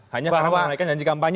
hanya sekarang mereka janji kampanye